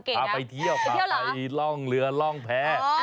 พาไปเที่ยวพาไปล่องเรือร่องแพ้